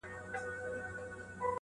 یو شمیر پوهان وايي چې حیا غریزه ده